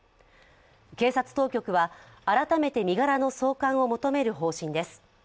警察当局は、改めて身柄の送還を求める方針です。